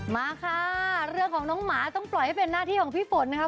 มาค่ะเรื่องของน้องหมาต้องปล่อยให้เป็นหน้าที่ของพี่ฝนนะครับ